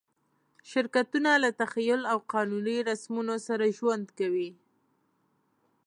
شرکتونه له تخیل او قانوني رسمونو سره ژوند کوي.